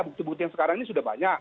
bukti bukti yang sekarang ini sudah banyak